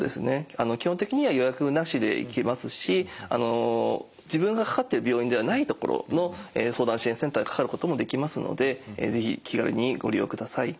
基本的には予約なしで行けますし自分がかかってる病院ではない所の相談支援センターにかかることもできますので是非気軽にご利用ください。